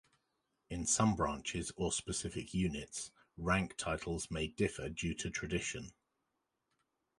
In some branches or specific units, rank titles may differ due to tradition.